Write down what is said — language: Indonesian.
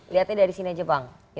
lihatnya dari sini aja bang